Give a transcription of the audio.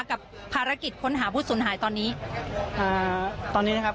กับภารกิจค้นหาผู้สูญหายตอนนี้อ่าตอนนี้ตอนนี้นะครับ